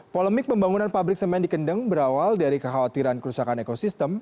polemik pembangunan pabrik semen di kendeng berawal dari kekhawatiran kerusakan ekosistem